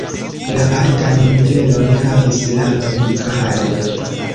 La altan nivelon havis la edukado.